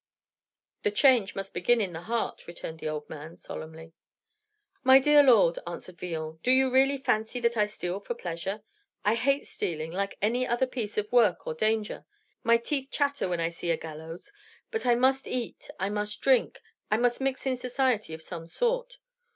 "The change must begin in the heart," returned the old man solemnly. "My dear lord," answered Villon, "do you really fancy that I steal for pleasure? I hate stealing, like any other piece of work or danger. My teeth chatter when I see a gallows. But I must eat, I must drink, I must mix in society of some sort.